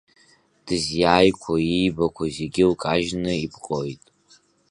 Дызиааиқәо, иибақәо зегьы лкажьны, ипҟоит.